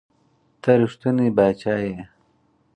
ته رښتونے باچا ئې